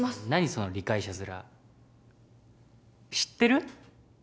その理解者面知ってる？